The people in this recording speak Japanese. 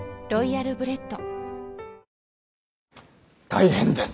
大変です！